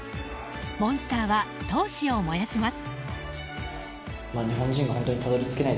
モンスターは闘志を燃やします。